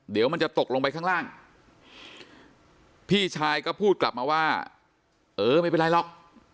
เดี๋ยวมันจะตกลงไปข้างล่างพี่ชายก็พูดกลับมาว่าเออไม่เป็นไรหรอก